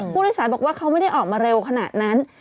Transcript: ผู้โดยสารบอกว่าเขาไม่ได้ออกมาเร็วขนาดนั้น